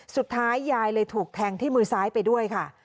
สุดท้ายยายเลยถูกแทงที่มือซ้ายไปด้วยค่ะ